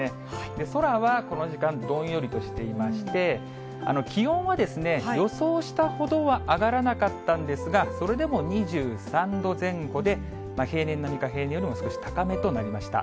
空はこの時間、どんよりとしていまして、気温は予想したほどは上がらなかったんですが、それでも２３度前後で、平年並みか、平年よりも少し高めとなりました。